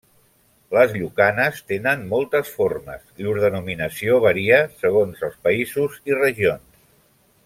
Les llucanes tenen moltes formes; llur denominació varia segons els països i regions.